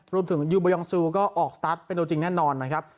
ยูบายองซูก็ออกสตาร์ทเป็นตัวจริงแน่นอนนะครับ